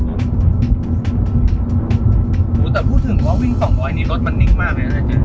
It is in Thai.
โอ้แต่พูดถึงว่าวิ่งสองร้อยนี่รถมันนิ่งมากมั้ยอาจจะ